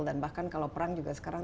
dan bahkan kalau perang juga sekarang